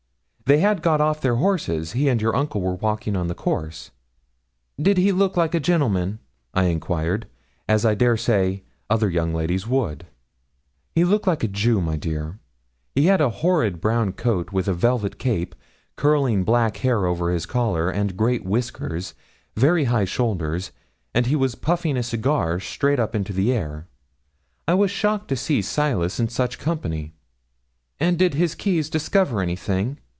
They had got off their horses. He and your uncle were walking on the course.' 'Did he look like a gentleman?' I inquired, as I dare say, other young ladies would. 'He looked like a Jew, my dear. He had a horrid brown coat with a velvet cape, curling black hair over his collar, and great whiskers, very high shoulders, and he was puffing a cigar straight up into the air. I was shocked to see Silas in such company.' 'And did his keys discover anything?'